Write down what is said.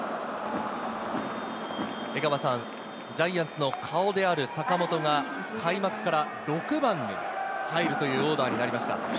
江川さん、ジャイアンツの顔である坂本が、開幕から６番に入るというオーダーになりました。